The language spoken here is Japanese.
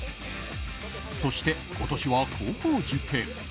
そして今年は高校受験。